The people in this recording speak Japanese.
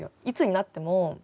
いつになっても。